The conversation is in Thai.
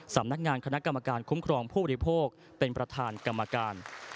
สำนักงานคณะกรรมการคุ้มครองผู้บริโภคเป็นประธานกรรมการ